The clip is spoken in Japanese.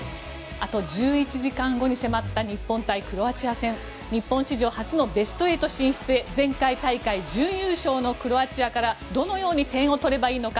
あと１１時間後に迫った日本対クロアチア戦。日本史上初のベスト８進出へ前回大会準優勝国のクロアチアからどうやって点を取ればいいのか。